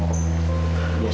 aku mau kembali ke hapus